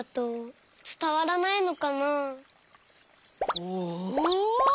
おお！